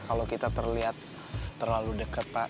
kalau kita terlihat terlalu dekat pak